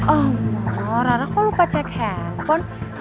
oh orang kok lupa cek handphone